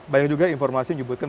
banyak juga informasi menyebutkan